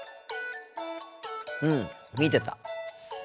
うん見てた。